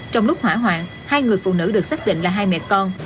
trong lúc hỏa hoạn hai người phụ nữ được xác định là hai mẹ con